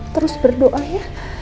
terus berdoa ya